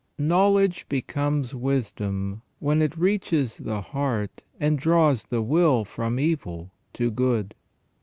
KNOWLEDGE becomes wisdom when it reaches the heart and draws the will from evil to good.